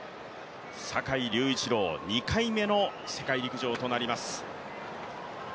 坂井隆一郎、２回目の世界陸上となります。